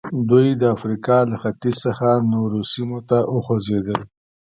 دوی د افریقا له ختیځ څخه نورو سیمو ته وخوځېدل.